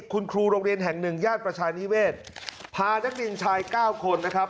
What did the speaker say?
คุณครูโรงเรียนแห่งหนึ่งย่านประชานิเวศพานักเรียนชาย๙คนนะครับ